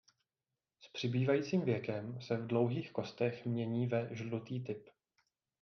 S přibývajícím věkem se v dlouhých kostech mění ve žlutý typ.